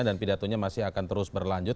dan pidatonya masih akan terus berlanjut